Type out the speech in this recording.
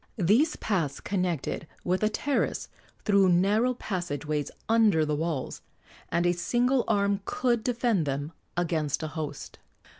These paths connected with the terrace through narrow passage ways under the walls, and a single arm could defend them against a host.